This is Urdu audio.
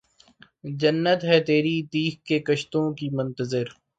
جنت ہے تیری تیغ کے کشتوں کی منتظر